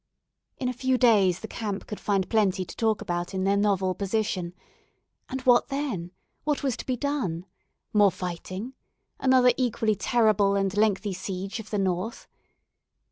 In a few days the camp could find plenty to talk about in their novel position and what then? What was to be done? More fighting? Another equally terrible and lengthy siege of the north?